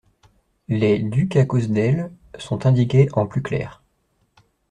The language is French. Les « ducs à cause d’elle » sont indiqués en plus clair.